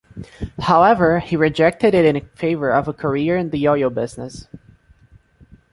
However, he rejected it in favour of a career in the oil business.